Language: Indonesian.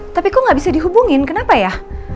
tapi kok nggak bisa dihubungin kenapa ya